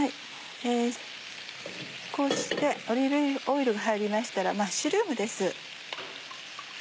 こうしてオリーブオイルが入りましたらマッシュルームです。